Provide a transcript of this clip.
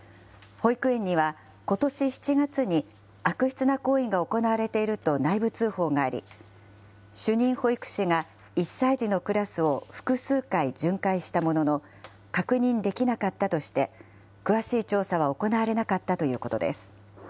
保育園には、ことし７月に悪質な行為が行われていると内部通報があり、主任保育士が１歳児のクラスを複数回巡回したものの、確認できなかったとして、詳しい調査は行われなかったということです。